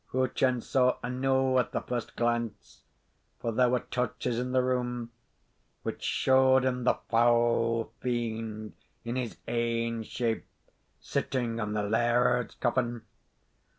Hutcheon saw aneugh at the first glance; for there were torches in the room, which showed him the foul fiend, in his ain shape, sitting on the laird's coffin!